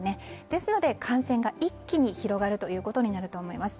ですので感染が一気に広がるということになると思います。